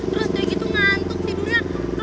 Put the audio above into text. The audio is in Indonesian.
terus dia gitu ngantuk tidur aja